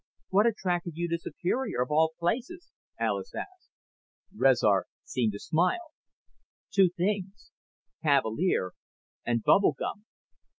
"What attracted you to Superior, of all places?" Alis asked. Rezar seemed to smile. "Two things. Cavalier and bubble gum."